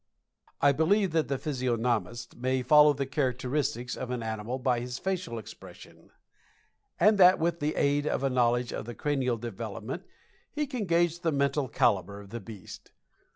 I believe that the physiognomist may follow the characteristics of an animal by his facial expression, and that with the aid of a knowledge of the cranial development he can gauge the mental caliber of the beast.